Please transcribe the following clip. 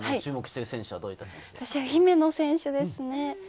私は姫野選手です。